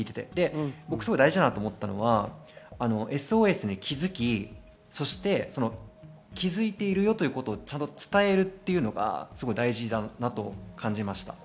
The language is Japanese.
僕、大事だなと思ったのはＳＯＳに気づき、気づいているよという言葉を伝えるっていうことが、すごい大事だなって感じました。